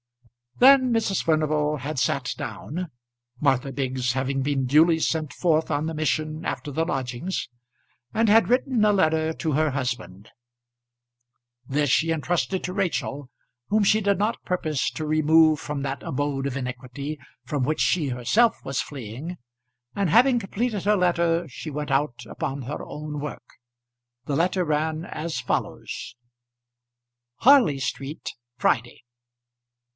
Then Mrs. Furnival had sat down, Martha Biggs having been duly sent forth on the mission after the lodgings, and had written a letter to her husband. This she intrusted to Rachel, whom she did not purpose to remove from that abode of iniquity from which she herself was fleeing, and having completed her letter she went out upon her own work. The letter ran as follows: Harley Street Friday.